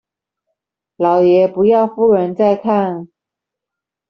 老爺不要夫人在看